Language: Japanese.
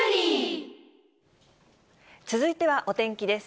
続いてはお天気です。